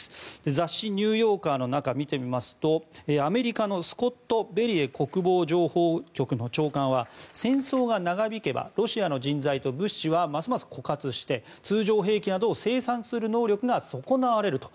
雑誌「ザ・ニューヨーカー」の中見てみますとアメリカのスコット・ベリエ国防情報局長官は戦争が長引けばロシアの人材と物資はますます枯渇して通常兵器などを生産する能力が損なわれると。